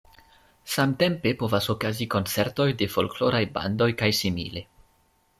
Samtempe povas okazi koncertoj de folkloraj bandoj ks.